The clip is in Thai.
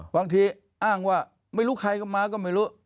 อ้างว่าไม่รู้ใครก็มาก็ไม่รู้